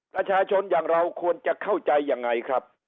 ประชาชนอย่างเราควรจะเข้าใจยังไงครับ